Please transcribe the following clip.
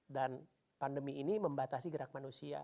dan pandemi ini membatasi gerak manusia